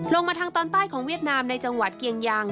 ลงมาทางตอนใต้ของเวียดนามในจังหวัดเกียงยัง